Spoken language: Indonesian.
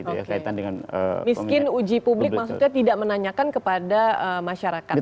miskin uji publik maksudnya tidak menanyakan kepada masyarakat umum